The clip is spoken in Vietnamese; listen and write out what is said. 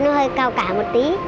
nó hơi cao cả một tí